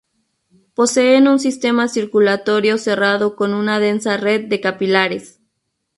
Poseen un sistema circulatorio cerrado con una densa red de capilares.